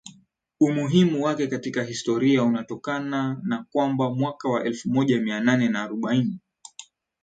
Umuhimu wake katika historia unatokana na kwamba mwaka wa elfu moja mia nane arobaini